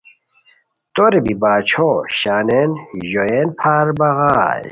توری بی باچھو شانین ژوئین پھار بغائے